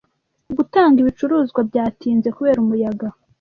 Gutanga ibicuruzwa byatinze kubera umuyaga.